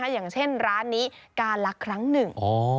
อย่างเช่นร้านนี้กาลักษณ์ครั้งนึง